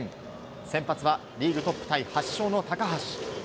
先発はリーグトップタイ８勝の高橋。